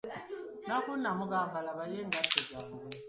Nakku n'amugamba, labayo engatto zange.